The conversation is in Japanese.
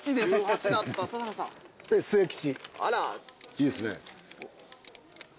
いいですね。